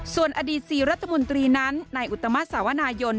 ส่วนอดีต๔รัฐมนตรีนั้นนายอุตมาสสาวนายน